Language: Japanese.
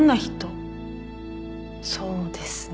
そうですね。